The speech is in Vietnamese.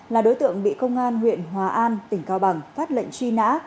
là đối tượng bị công an huyện hòa an tỉnh cao bằng phát lệnh truy nã